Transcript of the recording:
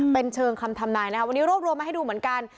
เป็นเชิงคำทำนายนะครับวันนี้รวบรวมมาให้ดูเหมือนกัน